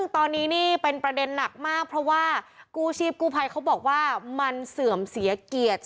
ตอนนี้นี่เป็นประเด็นหนักมากเพราะว่ากู้ชีพกู้ภัยเขาบอกว่ามันเสื่อมเสียเกียรติ